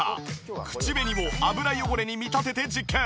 口紅を油汚れに見立てて実験。